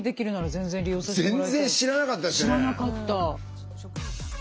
全然知らなかったですね。